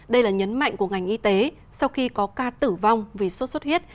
đây là nhấn mạnh của ngành y tế sau khi có ca tử vong vì sốt xuất huyết